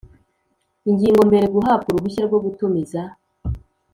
Ingingo mbere Guhabwa uruhushya rwo gutumiza